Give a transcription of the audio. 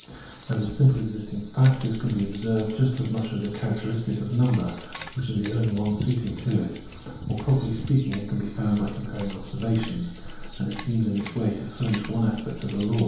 As a simply existing fact, this can be observed just as much as the characteristic of number, which is the only one suited to it ; or properly speaking can be found by comparing observations ; and it seems in this way to furnish one aspect of the law.